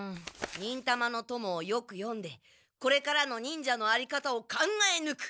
「にんたまの友」をよく読んでこれからの忍者のあり方を考えぬく！